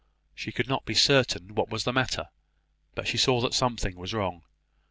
She could not be certain what was the matter, but she saw that something was wrong.